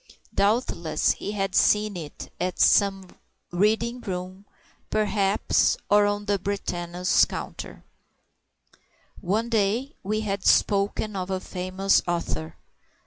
Doubtless he had seen it at some reading room, perhaps, or on Brentano's counter. One day we had spoken of a famous author.